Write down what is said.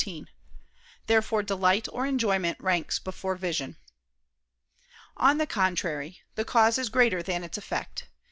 Therefore delight or enjoyment ranks before vision. On the contrary, The cause is greater than its effect.